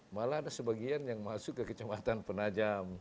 malah ada sebagian yang masuk ke kecamatan penajam